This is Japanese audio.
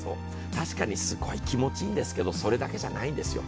確かにすごい気持ちいいんですが、それだけじゃないんですよ。